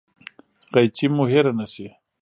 غیچي مو هیره نه شي